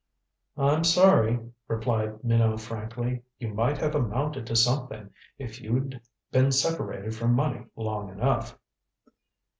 "I'm sorry," replied Minot frankly. "You might have amounted to something if you'd been separated from money long enough."